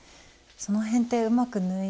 その辺ってうまく縫え？